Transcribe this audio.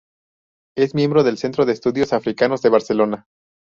Es miembro del Centro de Estudios Africanos de Barcelona.